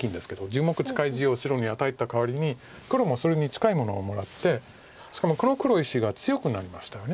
１０目近い地を白に与えたかわりに黒もそれに近いものをもらってしかもこの黒石が強くなりましたよね。